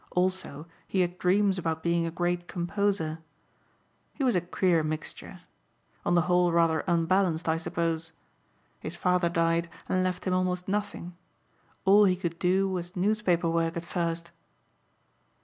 Also he had dreams about being a great composer. He was a queer mixture. On the whole rather unbalanced I suppose. His father died and left him almost nothing. All he could do was newspaper work at first."